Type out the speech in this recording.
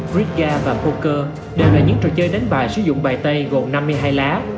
brickga và poker đều là những trò chơi đánh bài sử dụng bài tay gồm năm mươi hai lá